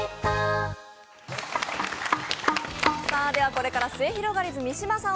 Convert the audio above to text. これからすゑひろがりず・三島さん